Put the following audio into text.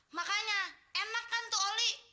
makanya enak kan tuh oli